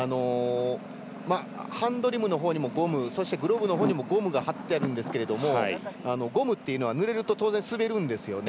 ハンドリムのほうにもゴムそして、手袋のほうにもゴムを張ってあるんですけれどもゴムというのはぬれると当然滑るんですよね。